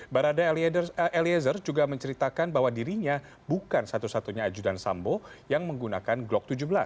barada eliezer juga menceritakan bahwa dirinya bukan satu satunya ajudan sambo yang menggunakan glock tujuh belas